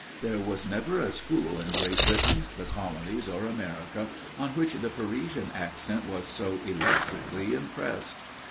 There was never a school in Great Britain, the Colonies, or America on which the Parisian accent was so electrically impressed.